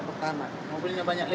mobilnya banyak lexus